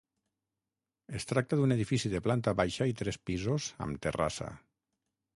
Es tracta d'un edifici de planta baixa i tres pisos amb terrassa.